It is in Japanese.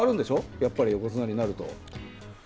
やっぱり横綱になると。